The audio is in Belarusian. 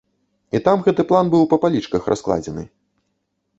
І там гэты план быў па палічках раскладзены.